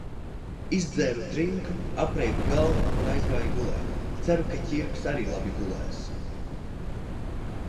Izdzēru drinku, apreiba galva un aizgāju gulēt. Ceru, ka Ķirbis arī labi gulēs.